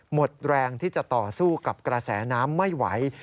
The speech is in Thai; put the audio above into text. หมดแรงที่จะต่อสู้กับกระแสน้ำไม่ไหว